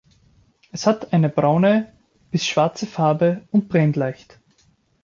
Es hat eine braune bis schwarze Farbe und brennt leicht.